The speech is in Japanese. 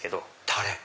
タレ？